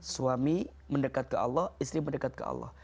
suami mendekat ke allah istri mendekat ke allah